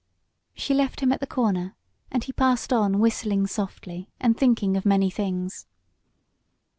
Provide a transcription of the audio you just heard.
She left him at the corner, and he passed on whistling softly and thinking of many things.